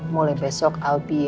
mulai besok i'll be